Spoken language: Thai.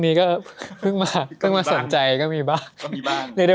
แต่ก็แรกบอกว่าเป็นสายหนังเกาหลีเนี่ย